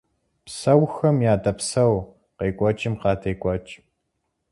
Псэухэм ядэпсэу, къекӀуэкӀым къадекӀуэкӀ.